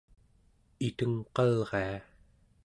itengqalria